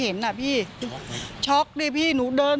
ตลอดทั้งคืนตลอดทั้งคืน